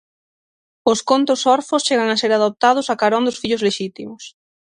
Os contos orfos chegan a ser adoptados a carón dos fillos lexítimos.